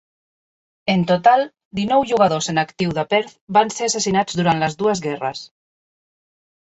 En total, dinou jugadors en actiu de Perth van ser assassinats durant les dues guerres.